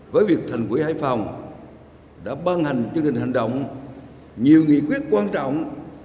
với việc thành quỹ hải phòng đã ban hành chương trình hành động nhiều nghị quyết quan trọng